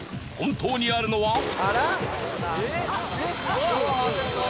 本当にあるのは？